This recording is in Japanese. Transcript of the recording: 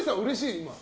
今。